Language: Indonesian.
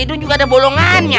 indung juga ada bolongan ya